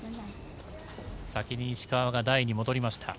先に石川が台に戻りました。